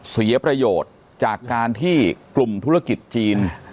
เสียประโยชน์จากการที่กลุ่มธุรกิจจีน